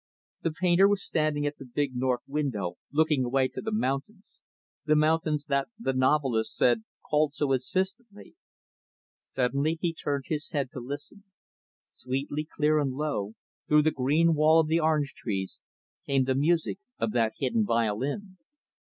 The painter was standing at the big, north window, looking up away to the mountains the mountains that the novelist said called so insistently. Suddenly, he turned his head to listen. Sweetly clear and low, through the green wall of the orange trees, came the music of that hidden violin.